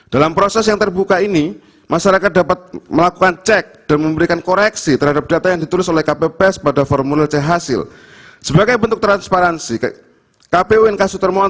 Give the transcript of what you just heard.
dalam proses yang terbuka ini masyarakat dapat melakukan cek dan memberikan koreksi terhadap data yang dituliskan